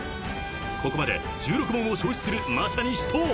［ここまで１６問を消費するまさに死闘］